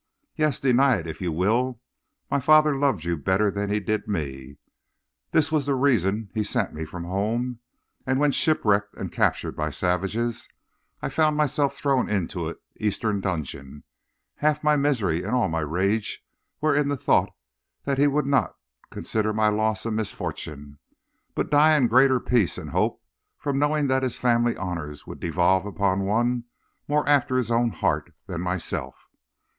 Yes; deny it if you will, my father loved you better than he did me. This was the reason he sent me from home; and when, shipwrecked and captured by savages, I found myself thrown into an Eastern dungeon, half my misery and all my rage were in the thought that he would not consider my loss a misfortune, but die in greater peace and hope from knowing that his family honors would devolve upon one more after his own heart than myself.